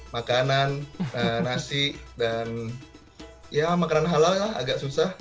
makanan nasi dan ya makanan halal agak susah